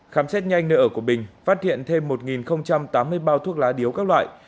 khám xét nhanh nơi ở của bình phát hiện thêm một tám mươi bao thuốc lá điếu các loại